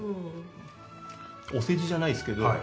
お世辞じゃないですけど。